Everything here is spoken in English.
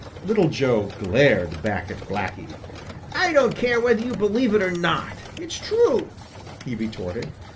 Little Joe glared back at Blacky. "I don't care whether you believe it or not; it's true," he retorted.